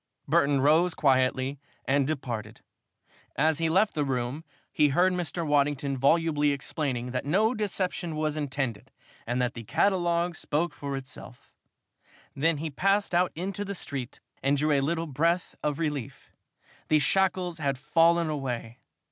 Burton rose quietly and departed. As he left the room, he heard Mr. Waddington volubly explaining that no deception was intended and that the catalogue spoke for itself. Then he passed out into the street and drew a little breath of relief. The shackles had fallen away.